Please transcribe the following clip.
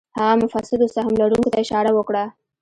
هغه مفسدو سهم لرونکو ته اشاره وکړه.